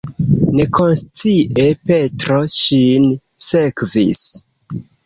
Nekonscie Petro ŝin sekvis.